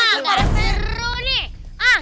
kita kesana aja pak resne